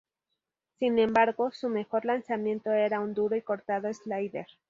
Sin embargo, su mejor lanzamiento era un duro y cortado slider.